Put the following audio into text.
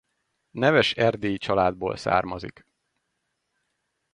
Neves erdélyi családból származik.